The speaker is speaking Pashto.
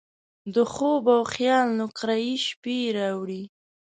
د خوب او خیال نقرهيي شپې راوړي